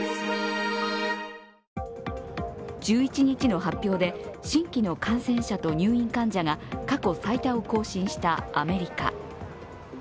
１１日の発表で、新規の感染者と入院患者が過去最多を更新したアメリカ。